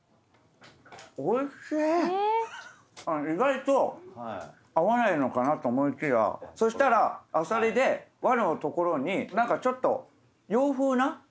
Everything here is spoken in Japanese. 意外と合わないのかなと思いきやそしたらアサリで和のところに何かちょっと。